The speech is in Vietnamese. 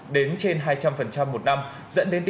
dẫn đến tình trạng người vai không có đủ